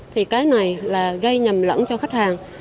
thì cái này là gây nhầm lẫn cho khách hàng